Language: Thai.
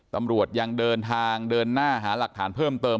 ตำรวจยังเดินทางเดินหน้าหาหลักฐานเพิ่มเติม